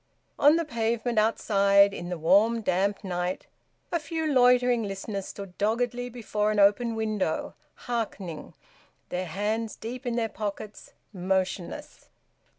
On the pavement outside, in the warm damp night, a few loitering listeners stood doggedly before an open window, hearkening, their hands deep in their pockets, motionless.